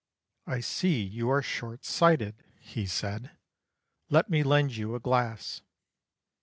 "I see you are short sighted," he said, "let me lend you a glass."